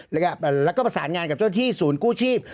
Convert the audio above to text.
แล้วก็ประสานงานกับเจ้าที่ศูนย์กู้ชีพ